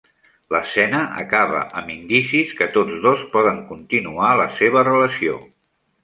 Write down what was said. L'escena acaba amb indicis que tots dos poden continuar la seva relació.